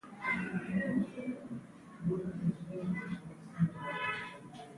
د مېړه به نو یو ګای و . د سړي به نو یوه خبره وه